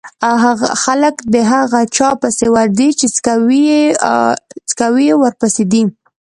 خلک د هغه چا پسې ورځي چې څکوی يې ورپسې دی.